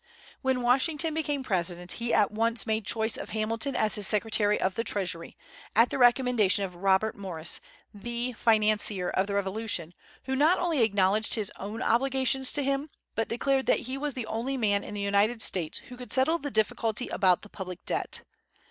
When Washington became President, he at once made choice of Hamilton as his Secretary of the Treasury, at the recommendation of Robert Morris, the financier of the Revolution, who not only acknowledged his own obligations to him, but declared that he was the only man in the United States who could settle the difficulty about the public debt.